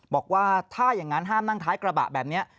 บอกว่าถ้าอย่างนั้นห้ามนั่งท้ายกระบะแบบนี้